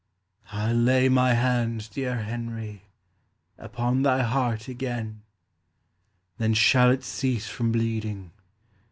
"I'll lay my hand, dear Henry, Upon thy heart again. Then shall it cease from bleeding.